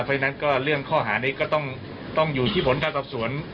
เพราะฉะนั้นก็เรื่องข้อหานี้ก็ต้องอยู่ที่ผลการสอบสวน